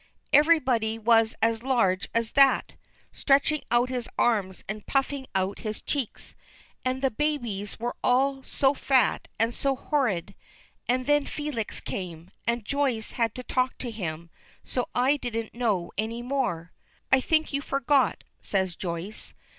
Everybody was as large as that," stretching out his arms and puffing out his cheeks, "and the babies were all so fat and so horrid. And then Felix came, and Joyce had to talk to him, so I didn't know any more." "I think you forget," says Joyce.